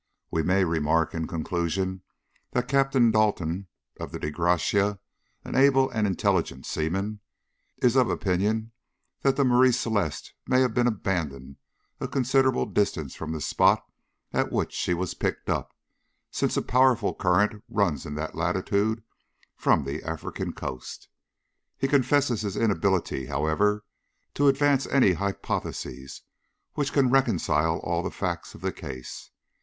We may remark, in conclusion, that Captain Dalton, of the Dei Gratia, an able and intelligent seaman, is of opinion that the Marie Celeste may have been abandoned a considerable distance from the spot at which she was picked up, since a powerful current runs up in that latitude from the African coast. He confesses his inability, however, to advance any hypothesis which can reconcile all the facts of the case.